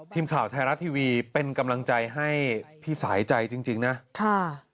ทีมข่าวไทยรัฐทีวีเป็นกำลังใจให้พี่สายใจจริงนะค่ะ